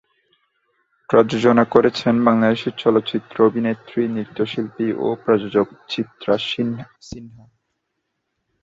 প্রযোজনা করেছেন বাংলাদেশী চলচ্চিত্র অভিনেত্রী, নৃত্যশিল্পী ও প্রযোজক চিত্রা সিনহা।